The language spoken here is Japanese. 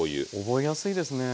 覚えやすいですね。